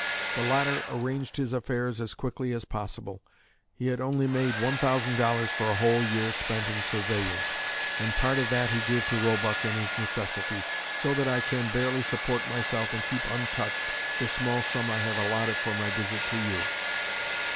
The latter arranged his affairs as quickly as possible. He had only made $1,000 for a whole year spent in surveying, and part of that he gave to Roebuck in his necessity, "so that I can barely support myself and keep untouched the small sum I have allotted for my visit to you."